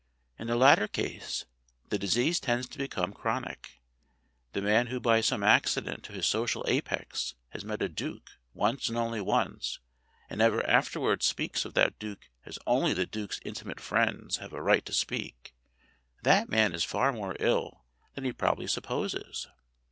In the latter case the disease tends to become chronic. The man who by some accident to his social apex has met a duke once and only once, and ever afterwards speaks of that duke as only the duke's intimate friends have a right to speak, that man is far more ill than he probably supposes.